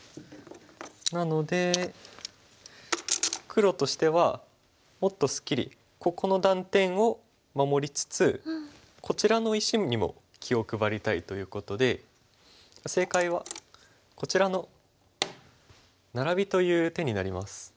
なので黒としてはもっとすっきりここの断点を守りつつこちらの石にも気を配りたいということで正解はこちらのナラビという手になります。